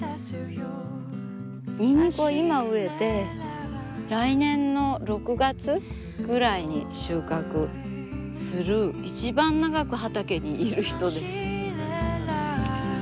にんにくは今植えて来年の６月ぐらいに収穫する一番長く畑にいるひとです。